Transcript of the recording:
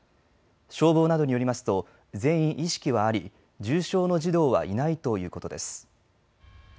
消防などによりますと全員意識はあり、重症の児童はいないということです。